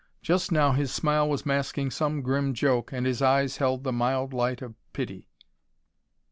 Just now his smile was masking some grim joke and his eyes held the mild light of pity.